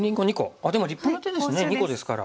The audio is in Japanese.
あっでも立派な手ですね２個ですから。